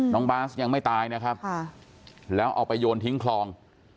น้องบาสยังไม่ตายนะครับแล้วเอาไปโยนทิ้งคลอง